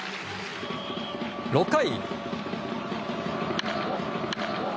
６回。